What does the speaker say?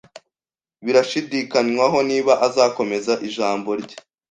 Birashidikanywaho niba azakomeza ijambo rye